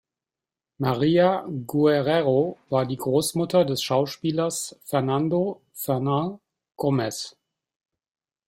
María Guerrero war die Großmutter des Schauspielers Fernando Fernán Gómez.